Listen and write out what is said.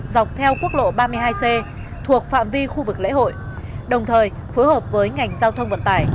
dọc theo quốc lộ ba mươi hai c thuộc phạm vi khu vực lễ hội đồng thời phối hợp với ngành giao thông vận tải